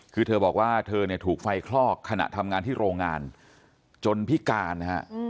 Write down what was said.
คือเธอบอกว่าเธอเนี่ยถูกไฟคลอกขณะทำงานที่โรงงานจนพิการนะฮะ